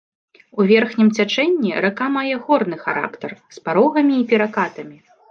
У верхнім цячэнні рака мае горны характар, з парогамі і перакатамі.